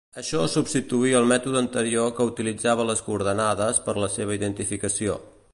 Això substituí el mètode anterior que utilitzava les coordenades per la seva identificació.